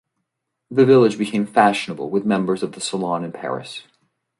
The village became fashionable with members of the Salon in Paris.